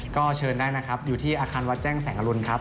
ก็เชิญได้นะครับอยู่ที่อาคารวัดแจ้งแสงอรุณครับ